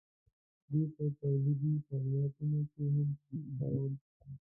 دوی په تولیدي فعالیتونو کې هم کارول کیږي.